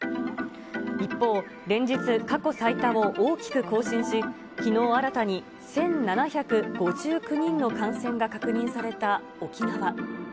一方、連日過去最多を大きく更新し、きのう新たに１７５９人の感染が確認された沖縄。